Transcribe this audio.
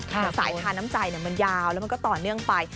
แต่สายทานน้ำใจมันยาวแล้วมันก็ต่อเนื่องไป